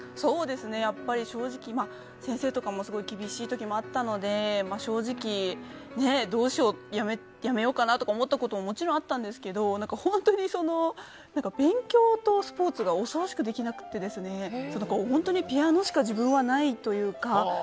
正直、先生とかも厳しい時があったので正直どうしよう、やめようかなと思ったことももちろんあったんですけど本当に勉強とスポーツが恐ろしくできなくてピアノしか自分はないというか。